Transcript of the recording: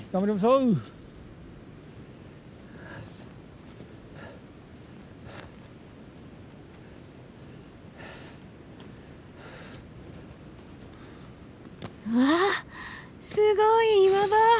うわっすごい岩場！